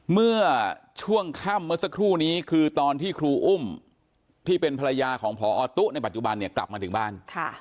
เมื่อช่วงค่ำเมื่อสักครู่นี้คือตอนที่ครูอุ้มที่เป็นภรรยาของพอตุ๊ในปัจจุบันเนี่ยกลับมาถึงบ้าน